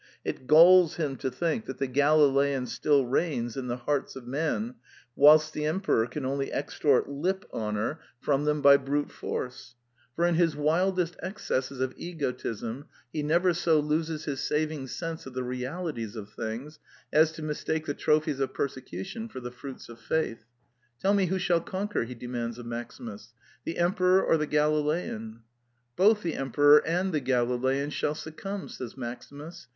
It galls him to think that the Galilean still reigns in the hearts of men whilst the emperor can only extort lip honor from 74 The Quintessence of Ibsenism them by brute force; for In his wildest excesses of egotism he never so loses his saving sense of the realities of things as to mistake the trophies of persecution for the fruits of faith. '^ Tell me who shall conquer," he demands of Maximus: "the emperor or the Galilean?" " Both the emperor and the Galilean shall suc cumb," says Maximus.